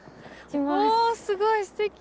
おすごいすてき！